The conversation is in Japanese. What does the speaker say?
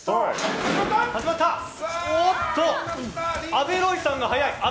阿部ロイさんが早い。